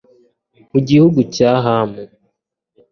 mu gihugu cya Hamu